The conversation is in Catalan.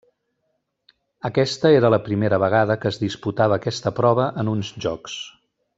Aquesta era la primera vegada que es disputava aquesta prova en uns Jocs.